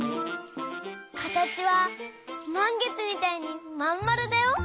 かたちはまんげつみたいにまんまるだよ。